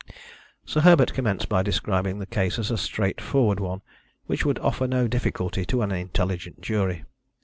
Sir Herbert commenced by describing the case as a straightforward one which would offer no difficulty to an intelligent jury.